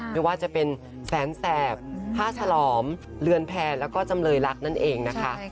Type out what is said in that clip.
ไม่ว่าจะเป็นแสนแสบผ้าฉลอมเรือนแพนแล้วก็จำเลยรักนั่นเองนะคะ